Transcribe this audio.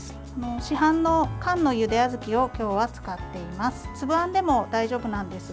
市販の缶のゆであずきを今日は使っています。